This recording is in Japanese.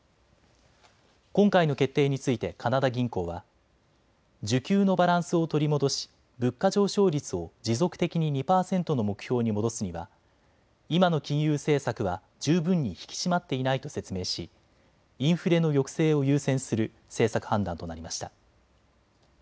今回の決定についてカナダ銀行は需給のバランスを取り戻し物価上昇率を持続的に２％の目標に戻すには今の金融政策は十分に引き締まっていないと説明しインフレの抑制を優先する政策判断となりました。